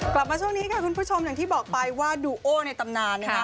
กลับมาช่วงนี้ค่ะคุณผู้ชมอย่างที่บอกไปว่าดูโอในตำนานนะคะ